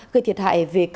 gây thiệt hại